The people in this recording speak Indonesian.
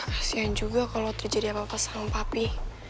kasian juga kalau terjadi apa apa sama papi